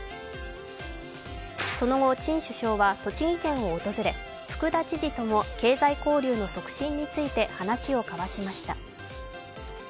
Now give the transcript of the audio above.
その後、チン首相は栃木県を訪れ、福田知事とも経済交流の促進について話を交わしました。